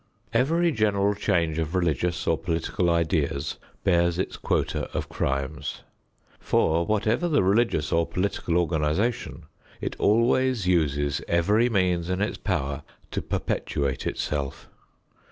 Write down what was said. Every general change of religious or political ideas bears its quota of crimes. For whatever the religious or political organization, it always uses every means in its power to perpetuate itself.